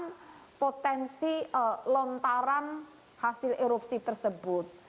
dengan potensi lontaran hasil erupsi tersebut